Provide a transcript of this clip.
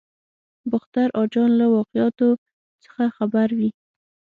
باختر اجان له واقعاتو څخه خبر وي.